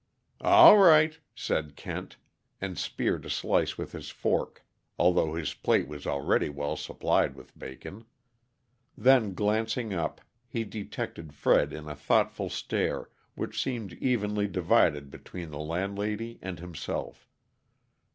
"All right," said Kent, and speared a slice with his fork, although his plate was already well supplied with bacon. Then, glancing up, he detected Fred in a thoughtful stare which seemed evenly divided between the landlady and himself.